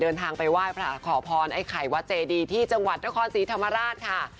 เดินทางไปไหว้พระขอพรไอ้ไข่วัดเจดีที่จังหวัดนครศรีธรรมราชค่ะ